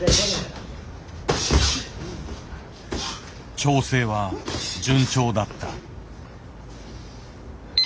調整は順調だった。